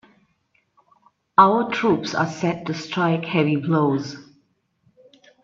Our troops are set to strike heavy blows.